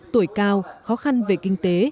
tuổi cao khó khăn về kinh tế